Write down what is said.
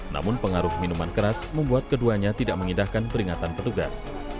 namun pengaruh minuman keras membuat keduanya tidak mengindahkan peringatan petugas